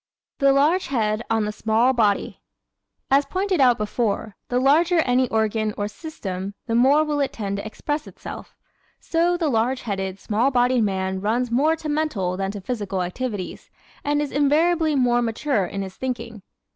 The Large Head on the Small Body ¶ As pointed out before, the larger any organ or system the more will it tend to express itself. So, the large headed, small bodied man runs more to mental than to physical activities, and is invariably more mature in his thinking.